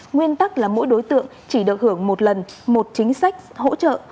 nguyên tắc là mỗi đối tượng chỉ được hưởng một lần một chính sách hỗ trợ